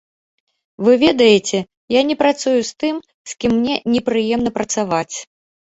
Вы ведаеце, я не працую з тым, з кім мне непрыемна працаваць.